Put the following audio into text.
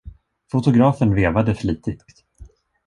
Fotografen vevade flitigt.